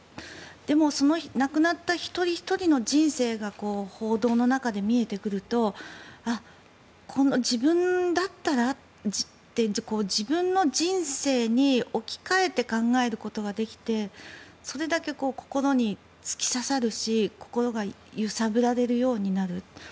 でも、その亡くなった一人ひとりの人生が報道の中で見えてくると自分だったら自分の人生に置き換えて考えることができてそれだけ心に突き刺さるし心が揺さぶられるようになる。